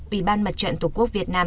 ủy ban mặt trận tổ quốc việt nam